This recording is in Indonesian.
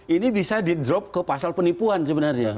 ini bisa di drop ke pasal penipuan sebenarnya